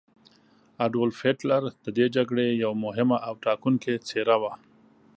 اډولف هیټلر د دې جګړې یوه مهمه او ټاکونکې څیره وه.